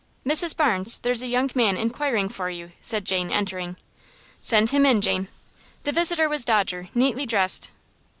"Mrs. Barnes, there's a young man inquiring for you," said Jane, entering. "Send him in, Jane." The visitor was Dodger, neatly dressed.